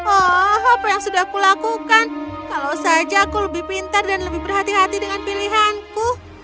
oh apa yang sudah aku lakukan kalau saja aku lebih pintar dan lebih berhati hati dengan pilihanku